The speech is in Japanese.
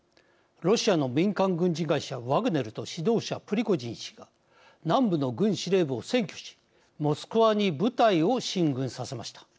ロシアの民間軍事会社ワグネルと指導者プリゴジン氏が南部の軍司令部を占拠しモスクワに部隊を進軍させました。